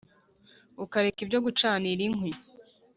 ukareka ibyo gucanira inkwi